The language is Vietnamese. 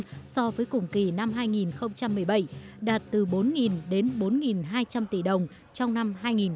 tăng một mươi năm so với cùng kỳ năm hai nghìn một mươi bảy đạt từ bốn đến bốn hai trăm linh tỷ đồng trong năm hai nghìn một mươi tám